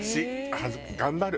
頑張る。